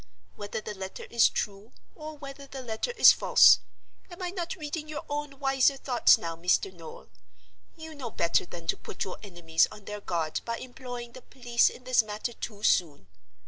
Whether the letter is true, or whether the letter is false—am I not reading your own wiser thoughts now, Mr. Noel?—you know better than to put your enemies on their guard by employing the police in this matter too soon.